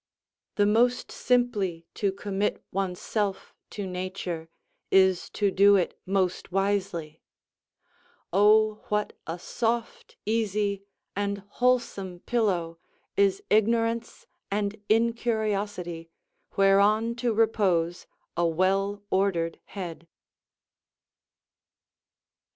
The most simply to commit one's self to nature is to do it most wisely. Oh, what a soft, easy, and wholesome pillow is ignorance and incuriosity, whereon to repose a well ordered head!